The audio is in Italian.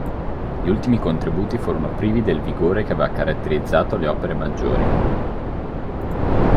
Gli ultimi contributi furono privi del vigore che aveva caratterizzato le opere maggiori.